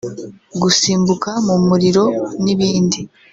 gusimbuka mu muriro n’ibindi